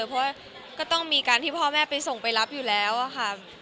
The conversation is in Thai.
เพราะว่าก็ต้องมีการที่พ่อแม่ไปส่งไปรับอยู่แล้วค่ะ